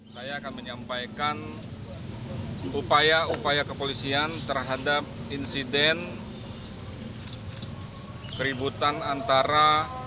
saya akan menyampaikan upaya upaya kepolisian terhadap insiden keributan antara